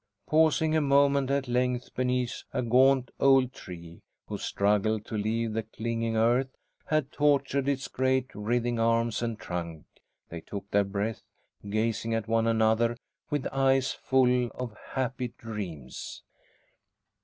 Pausing a moment at length beneath a gaunt old tree, whose struggle to leave the clinging earth had tortured its great writhing arms and trunk, they took their breath, gazing at one another with eyes full of happy dreams.